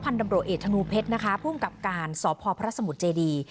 พันธุ์ดำรวจเอกทะนูเพชรนะคะภูมิกับการสอบพอพระสมุทรเจดี